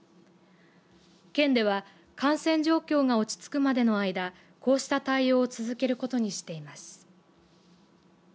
県では感染状況が落ち着くまでの間こうした対応を続けることにしています。